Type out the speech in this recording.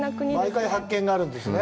毎回発見があるんですね。